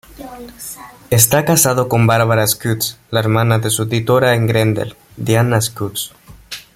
Está casado con Barbara Schutz, la hermana de su editora en Grendel, Diana Schutz.